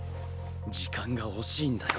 時間が惜しいんだよ。